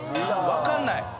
分かんない。